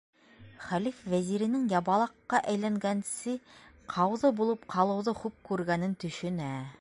Хәлиф вәзиренең ябалаҡҡа өйләнгәнсе ҡауҙы булып ҡалыуҙы хуп күргәнен төшөнә.